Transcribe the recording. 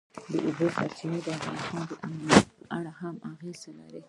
د اوبو سرچینې د افغانستان د امنیت په اړه هم اغېز لري.